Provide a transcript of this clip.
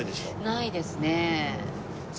ないですね。